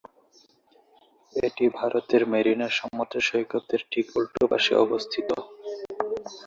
এটি ভারতের মেরিনা সমুদ্র সৈকতের ঠিক উল্টো পাশে অবস্থিত।